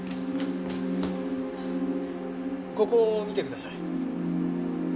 ここを見てください。